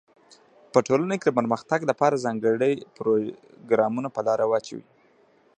په ټولنه کي د پرمختګ لپاره ځانګړي پروګرامونه په لاره واچوی.